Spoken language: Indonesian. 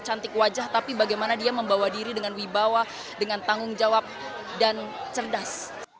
cantik wajah tapi bagaimana dia membawa diri dengan wibawa dengan tanggung jawab dan cerdas